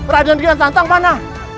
raden kian santang mana